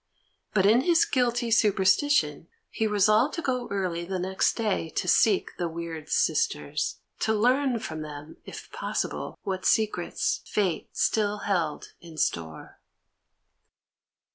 But in his guilty superstition he resolved to go early the next day to seek the weird sisters, to learn from them, if possible, what secrets fate still held in store.